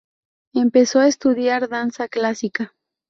Empezó a estudiar danza clásica.